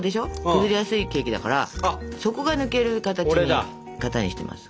崩れやすいケーキだから底が抜ける型にしてます。